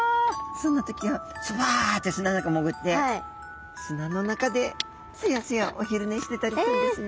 そんな時はスバッて砂の中潜って砂の中でスヤスヤお昼寝してたりするんですね。